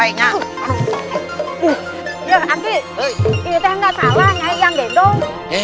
aki ini tempat saya yang diangkat dong